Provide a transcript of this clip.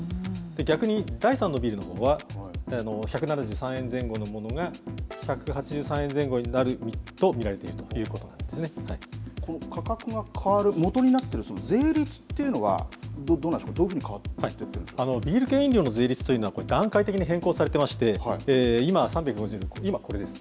逆に第３のビールのほうは、１７３円前後のものが１８３円前後になると見られているというここの価格が変わるもとになっている税率っていうのは、どうなんでしょう、どういうふうに変わビール系飲料の税率というのはこれ、段階的に変更されていまして、今はこちら、今、これです。